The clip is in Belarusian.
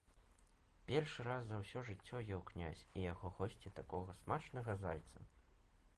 Першы раз за ўсё жыццё еў князь і яго госці такога смачнага зайца.